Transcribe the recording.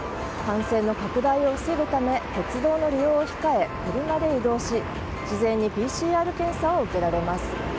感染の拡大を防ぐため鉄道の利用を控え車で移動し事前にＰＣＲ検査を受けられます。